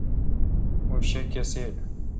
اوں شی کیسے°